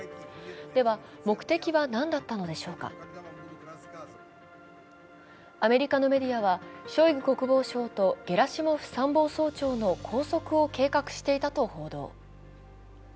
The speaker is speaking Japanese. では、目的は何だったのでしょうかアメリカのメディアは、ショイグ国防相とゲラシモフ参謀総長の拘束を計画していたと報道。